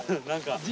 何か？